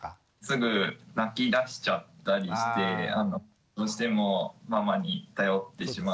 すぐ泣きだしちゃったりしてどうしてもママに頼ってしまうんですけど。